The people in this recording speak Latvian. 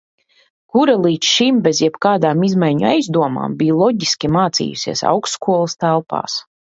Kura līdz šim bez jebkādām izmaiņu aizdomām bija loģiski mācījusies augstskolas telpās.